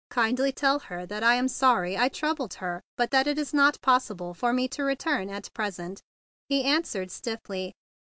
"Kindly tell her that I am sorry I troubled her, but that it is not possible for me to return at present," he an¬ swered stiffly.